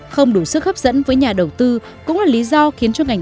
không đủ sức hấp dẫn với nhà đầu tư cũng là lý do khiến cho ngành